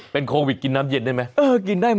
เป็นโควิดกินน้ำเย็นได้ไหม